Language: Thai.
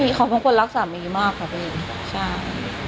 ไม่มีเขาควรรักสามีมากครับเองใช่